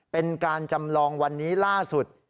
เป็นการจำลองวันนี้ล่าสุด